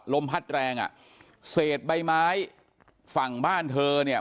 ลมพัดแรงอ่ะเศษใบไม้ฝั่งบ้านเธอเนี่ย